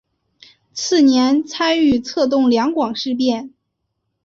次年参与策动两广事变。